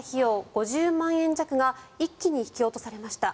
５０万円弱が一気に引き落とされました。